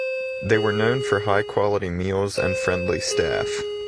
They were known for high quality meals and friendly staff.